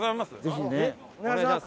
ぜひね。